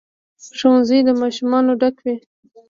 ښوونځي د ماشومانو ډک وي.